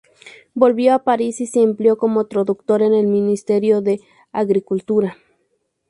Volvió a París y se empleó como traductor en el Ministerio de Agricultura.